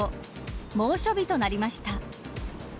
猛暑日となりました。